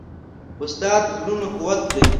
استاد د زړونو قوت دی.